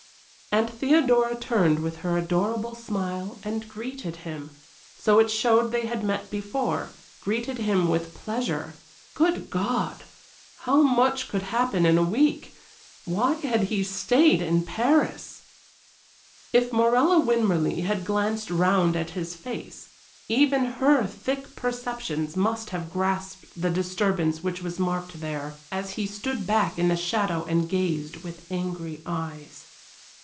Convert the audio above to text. And Theodora turned with her adorable smile and greeted him, so it showed they had met before greeted him with pleasure. Good God! How much could happen in a week! Why had he stayed in Paris? If Morella Winmarleigh had glanced round at his face, even her thick perceptions must have grasped the disturbance which was marked there, as he stood back in the shadow and gazed with angry eyes.